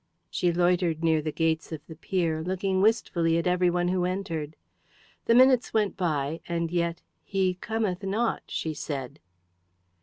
She loitered near the gates of the pier, looking wistfully at every one who entered. The minutes went by, and yet "he cometh not," she said.